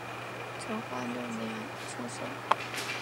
成化六年出生。